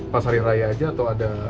pas hari raya aja atau ada